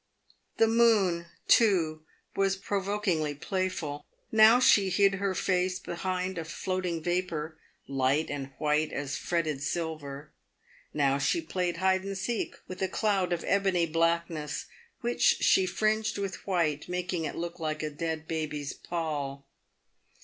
The moon, too, was provokingly playful. Now she hid her face behind a floating vapour, light and white as fretted silver ; now she played hide and seek with a cloud of ebony blackness, which she fringed with white, making it look like a dead baby's pall.